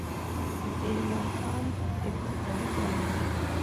فتح مند خان ابتدائي تعليم